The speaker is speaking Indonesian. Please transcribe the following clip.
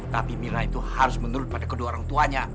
tapi mila itu harus menurut pada kedua orang tuanya